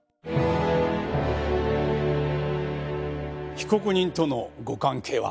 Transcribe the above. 被告人とのご関係は？